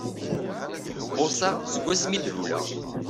Bbuṣaɣ seg wasmi i d-luleɣ!